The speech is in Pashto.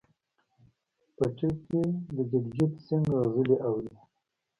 په ټیپ کې د جګجیت سنګ غزلې اوري.